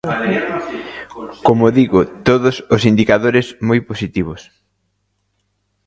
Como digo, todos os indicadores moi positivos.